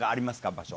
場所。